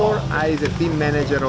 tapi kadang kadang berbeda